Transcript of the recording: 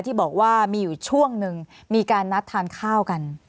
ที่บอกว่ามีอยู่ช่วงหนึ่งมีการนัดทานข้าวกัน